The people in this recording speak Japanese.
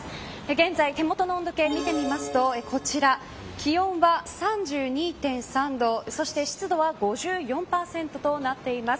現在手元の温度計を見てみますとこちら気温は３２．３度そして湿度は５４％となっています。